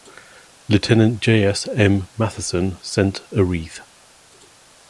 Lieutenant J. S. M. Matheson sent a wreath.